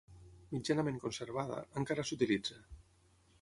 Mitjanament conservada, encara s'utilitza.